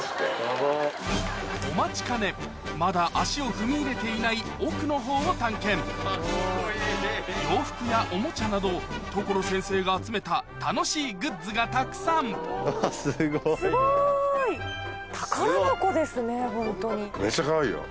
お待ちかねまだ足を踏み入れていない奥のほうを探検洋服やおもちゃなど所先生が集めた楽しいグッズがたくさんあぁすごい。